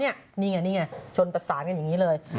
นี่ไงชนปรัสสารกันอย่างนี้เลย